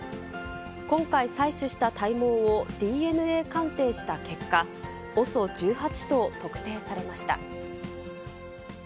今回、採取した体毛をＤＮＡ鑑定した結果、ＯＳＯ１８と特定されました。